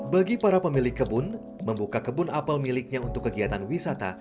bagi para pemilik kebun membuka kebun apel miliknya untuk kegiatan wisata